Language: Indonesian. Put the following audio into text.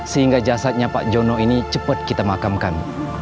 sehingga jasadnya pak jono ini cepat kita makamkan